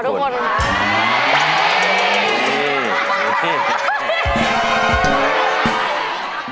หล่อทุกคนค่ะ